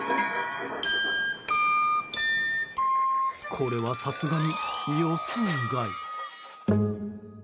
これは、さすがに予想外。